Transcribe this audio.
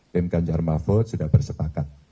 tim ganjar mahfud sudah bersepakat